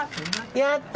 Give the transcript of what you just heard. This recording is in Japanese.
やった！